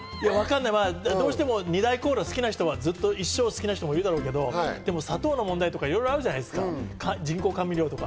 ２大コーラが好きな人は一生好きな人もいるだろうけど、砂糖の問題とかいろいろあるじゃないですか、人工甘味料とか。